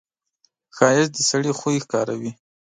ښایست د سړي خوی ښکاروي